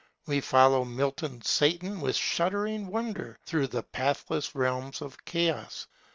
We follow Milton's Satan with shuddering wonder through the pathless realms of chaos.